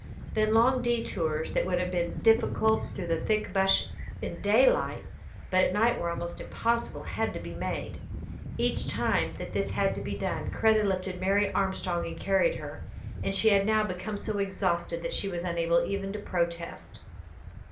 Then long detours, that would have been difficult through the thick bush in daylight, but at night were almost impossible, had to be made. Each time that this had to be done, Kreta lifted Mary Armstrong and carried her, and she had now become so exhausted that she was unable even to protest.